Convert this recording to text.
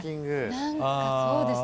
何かそうですね